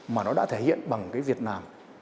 mà nó đã thể hiện bằng cái việt nam